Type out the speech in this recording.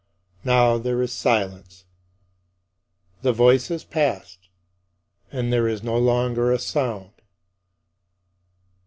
Now there is silence. The voice is past, and there is no longer a sound.